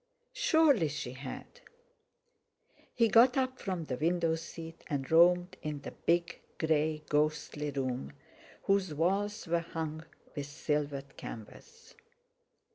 Surely she had! He got up from the window seat and roamed in the big grey ghostly room, whose walls were hung with silvered canvas.